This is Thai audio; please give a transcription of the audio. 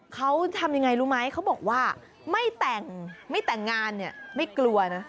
เขาทำยังไงรู้ไหมเขาบอกว่าไม่แต่งไม่แต่งงานเนี่ยไม่กลัวนะ